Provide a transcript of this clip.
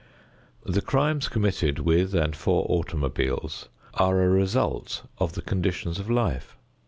The crimes committed with and for automobiles are a result of the conditions of life.